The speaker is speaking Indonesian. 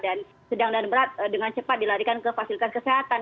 dan sedang dan berat dengan cepat dilarikan ke fasilitas kesehatan